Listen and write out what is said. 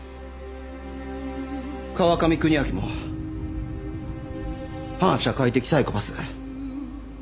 川上邦明も反社会的サイコパス。